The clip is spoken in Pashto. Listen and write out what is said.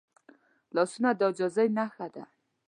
لاسونه د عاجزۍ نښه ده